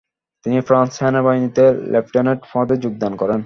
তিনি ফ্রান্স সেনাবাহিনীতে লেফটেন্যান্ট পদে যোগদান করেন।